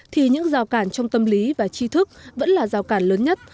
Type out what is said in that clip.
thì những rào cản trong tâm lý và chi thức vẫn là rào cản lớn nhất